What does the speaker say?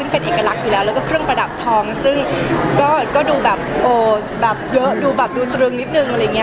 เป็นเอกลักษณ์อยู่แล้วก็เครื่องประดับทองซึ่งก็ดูเยอะตรงนิดนึง